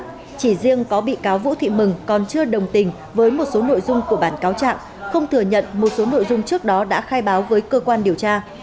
tuy nhiên chỉ riêng có bị cáo vũ thị mừng còn chưa đồng tình với một số nội dung của bản cáo trạng không thừa nhận một số nội dung trước đó đã khai báo với cơ quan điều tra